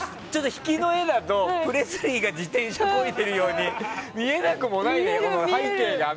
引きの画だと、プレスリーが自転車漕いでるように見えなくもないね。